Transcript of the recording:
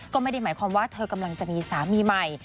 ก็ไม่ได้หมายความว่าเธอกำลังจะมีสามีใหม่